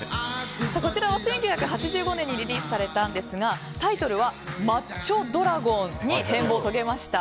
こちらは１９８５年にリリースされたんですがタイトルは「マッチョ・ドラゴン」に変貌を遂げました。